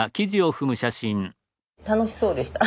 楽しそうでした。